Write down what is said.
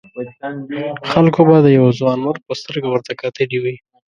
خلکو به د یوه ځوانمرد په سترګه ورته کتلي وي.